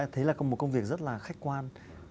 thế là một công việc rất là khách quan